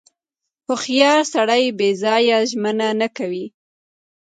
• هوښیار سړی بې ځایه ژمنه نه کوي.